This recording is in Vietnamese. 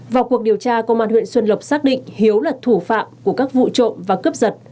vào cuộc điều tra công an huyện xuân lộc xác định hiếu là thủ phạm của các vụ trộm và cướp giật